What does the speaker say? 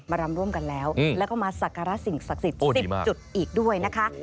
มารำร่วมกันแล้วแล้วก็มาสักการสิงห์ศักดิ์สิบจุดอีกด้วยนะคะ